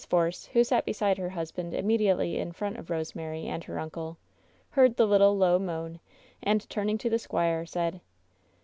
Force, who sat beside her husband immediately in front of Rosemary and her uncle, heard the little, low moan, and turning to the squire, said.